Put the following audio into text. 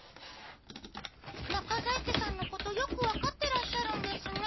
中在家さんのことよく分かってらっしゃるんですね。